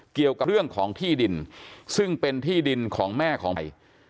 เกี่ยวกับเรื่องของที่ดินซึ่งเป็นที่ดินของแม่ของใบ